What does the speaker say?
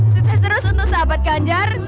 sukses terus untuk sahabat ganjar